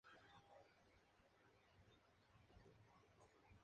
Ayto de Jaca, tuvo Ayto.